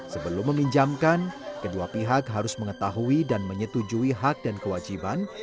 sebelum meminjamkan kedua pihak harus mengetahui dan menyetujui hak dan kewajiban